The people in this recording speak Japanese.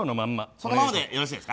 そのままでよろしいですか。